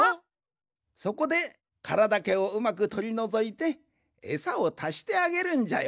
そこでカラだけをうまくとりのぞいてえさをたしてあげるんじゃよ。